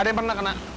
theme pernah kena